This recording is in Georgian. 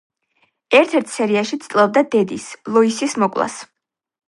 ერთ-ერთ სერიაში ცდილობდა დედის, ლოისის მოკვლას.